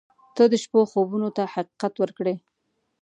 • ته د شپو خوبونو ته حقیقت ورکړې.